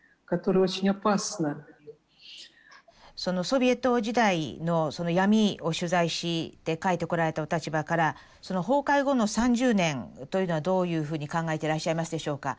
ソビエト時代のその闇を取材して書いてこられたお立場から崩壊後の３０年というのはどういうふうに考えてらっしゃいますでしょうか？